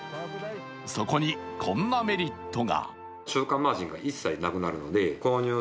そこに、こんなメリットが。